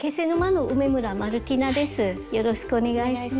よろしくお願いします。